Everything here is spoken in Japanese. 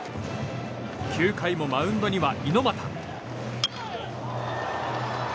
９回もマウンドには猪俣。